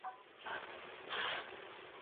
تېروتنه د انسان د زده کړې لامل ګرځي.